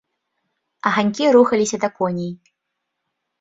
Аганькі рухаліся да коней.